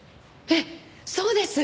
ええそうです。